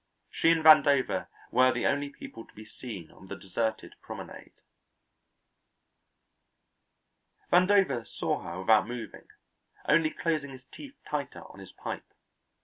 She and Vandover were the only people to be seen on the deserted promenade. Vandover saw her without moving, only closing his teeth tighter on his pipe.